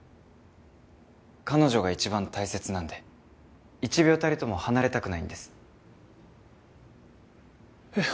彼女が一番大切なんで１秒たりとも離れたくないんですいや